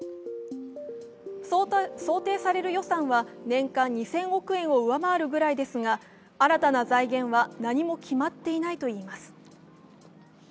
想定される予算は年間２０００億円を上回るぐらいですが新たな財源は何も決まっていないといいます。